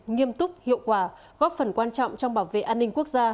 nghiêm túc hiệu quả góp phần quan trọng trong bảo vệ an ninh quốc gia